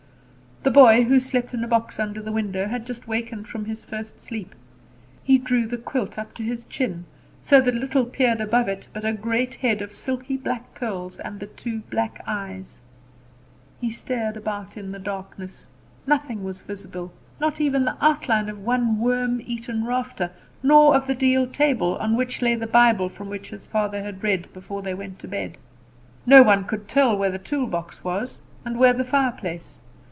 The boy, who slept on a box under the window, had just awakened from his first sleep. He drew the quilt up to his chin, so that little peered above it but a great head of silky black curls and the two black eyes. He stared about in the darkness. Nothing was visible, not even the outline of one worm eaten rafter, nor of the deal table, on which lay the Bible from which his father had read before they went to bed. No one could tell where the toolbox was, and where the fireplace.